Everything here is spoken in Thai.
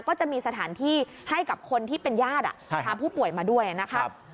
ก็จะมีสถานที่ให้กับคนที่เป็นญาติพาผู้ป่วยมาด้วยนะครับ